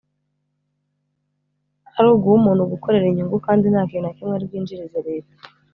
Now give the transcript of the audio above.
ari uguha umuntu gukorera inyungu kandi nta kintu na kimwe ari bwinjirize Leta